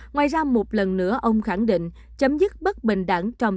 ngoài ra một lần nữa ông khẳng định chấm dứt bất bình đẳng trong